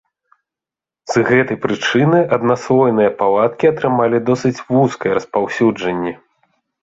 З гэтай прычыны аднаслойныя палаткі атрымалі досыць вузкае распаўсюджанне.